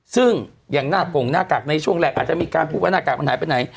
ซึ่งอย่างหน้ากงหน้ากากในช่วงแรกอาจจะมีการพูดว่าหน้ากากมันหายไปไหน